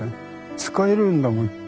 使えるんだもん。